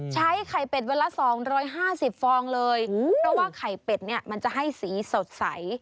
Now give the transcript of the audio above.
ใช้ไข่เป็ดวันละสองร้อยห้าสิบฟองเลยเพราะว่าไข่เป็ดเนี้ยมันจะให้สีสดใส